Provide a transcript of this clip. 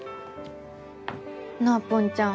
なあぽんちゃん。